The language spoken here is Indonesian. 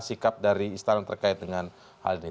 sikap dari istana terkait dengan hal ini